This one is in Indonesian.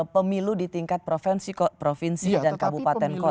pemilu di tingkat provinsi dan kabupaten kota